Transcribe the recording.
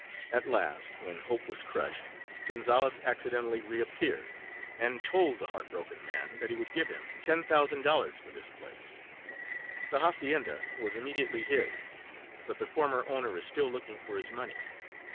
At last, when hope was crushed. Gonzales accidentally reappeared, and told the heart broken man that he would give him $10,000 for this place. The hacienda was immediately his, but the former owner is still looking for his money.